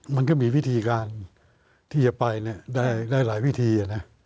มันก็มีวิธีการที่จะไปได้หลายวิธีนะ